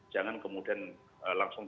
jangan kemudian langsung